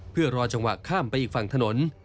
เพื่อรอจังหวะข้ามไปอีกฝั่งถนน